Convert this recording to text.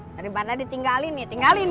daripada ditinggalin nih tinggalin